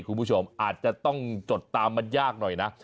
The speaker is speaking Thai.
คุณผู้ชมอาจจะต้องจดตามมันยากหน่อยนะ